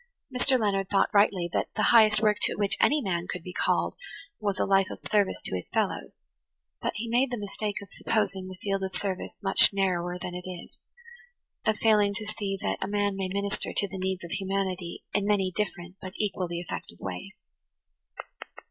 Mr. Leonard thought rightly that the highest work to which any man could be called was a life of service to his fellows; but he made the mistake of supposing the field of service much narrower than it is–of failing to see that a man may minister to the needs of humanity in many different but equally effective ways.